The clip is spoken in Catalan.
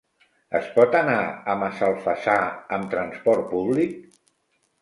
Es pot anar a Massalfassar amb transport públic?